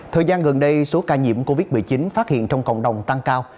thời gian gần đây số ca nhiễm covid một mươi chín phát hiện trong cộng đồng tăng cao